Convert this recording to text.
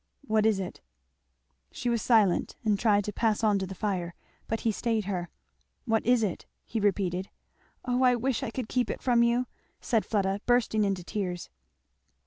"What is it?" She was silent and tried to pass on to the fire. But he stayed her. "What is it?" he repeated. "Oh I wish I could keep it from you!" said Fleda bursting into tears.